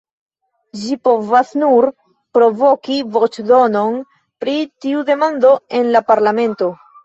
Ĝi povas nur provoki voĉdonon pri tiu demando en la parlamento.